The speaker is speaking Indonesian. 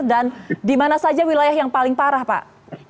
dan di mana saja wilayah yang paling parah pak